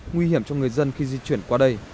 nguy hiểm cho người dân khi di chuyển qua đây